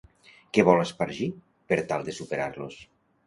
Què vol espargir per tal de superar-los?